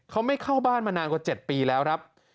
เขาไม่เข้าบ้านมานานกว่า๗ปีแล้วครับ